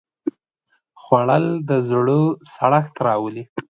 خوړل د زړه سړښت راولي